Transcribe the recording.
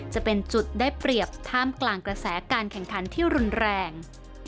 จะเป็นจุดได้เปรียบท่ามกลางกระแสการแข่งขันที่รุนแรง